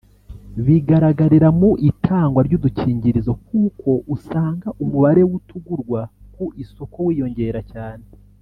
bigaragarira mu itangwa ry’udukingirizo kuko usanga umubare w’utugurwa ku isoko wiyongera cyane